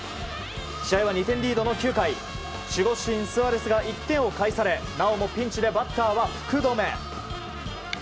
試合は２点リードの９回守護神スアレスが１点を返されなおもピンチでバッターは福留。